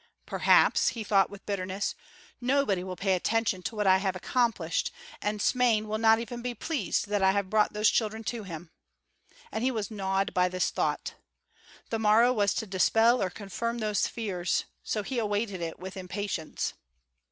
"Perhaps," he thought with bitterness, "nobody will pay attention to what I have accomplished, and Smain will not even be pleased that I have brought those children to him;" and he was gnawed by this thought. The morrow was to dispel or confirm those fears; so he awaited it with impatience.